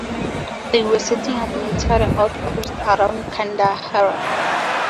They were setting up military outposts around Kandahar.